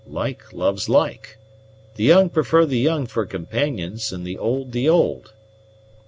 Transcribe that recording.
Like loves like. The young prefer the young for companions, and the old the old."